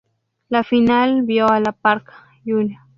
La final vio a La Parka, Jr.